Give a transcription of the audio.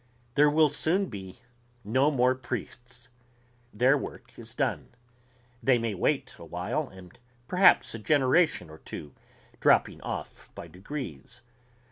There will soon be no more priests. Their work is done. They may wait awhile ... perhaps a generation or two ... dropping off by degrees.